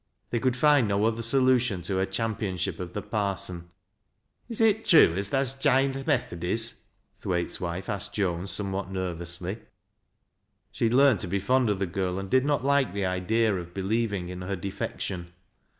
They could find no other solution to her championship of the parson. " Is it true as tha's j'ined th' Methodys ?" Thwaite's wile asked Joan, somewhat nervously. She had learned to be fond of the girl, and did not like tlie idea of believing in her defection.